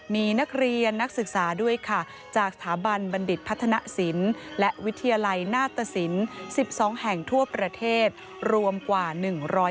มีนักเรียนนักศึกษาด้วยค่ะจากสถาบันบัณฑิตพัฒนศิลป์และวิทยาลัยนาตสิน๑๒แห่งทั่วประเทศรวมกว่า๑๐๐